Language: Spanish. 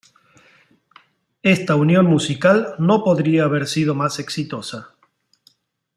Esta unión musical no podría haber sido más exitosa.